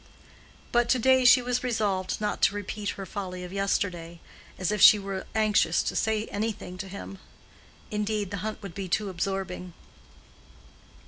But to day she was resolved not to repeat her folly of yesterday, as if she were anxious to say anything to him. Indeed, the hunt would be too absorbing.